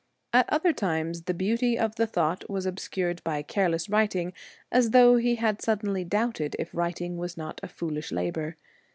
At other times the beauty of the thought was obscured by careless writing as though he had suddenly doubted if writing was not a foolish labour.